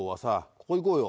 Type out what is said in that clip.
ここ行こうよ。